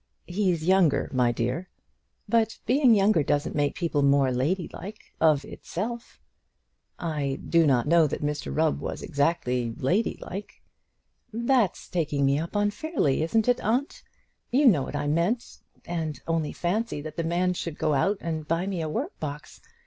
"He's younger, my dear." "But being younger doesn't make people more ladylike of itself." "I did not know that Mr Rubb was exactly ladylike." "That's taking me up unfairly; isn't it, aunt? You know what I meant; and only fancy that the man should go out and buy me a work box.